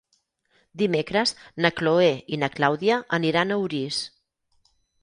Dimecres na Chloé i na Clàudia aniran a Orís.